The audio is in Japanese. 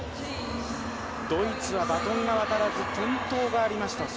ドイツはバトンが渡らず、転倒がありました。